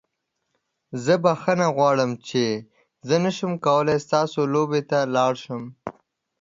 زه بخښنه غواړم چې زه نشم کولی ستاسو لوبې ته لاړ شم.